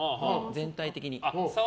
全体的に。